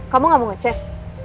kamu gak mau ngecek